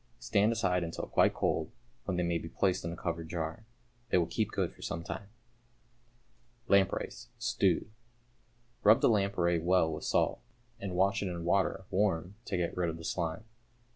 Stand aside until quite cold, when they may be placed in a covered jar. They will keep good for some time. =Lampreys, Stewed.= Rub the lamprey well with salt, and wash it in water (warm) to get rid of the slime.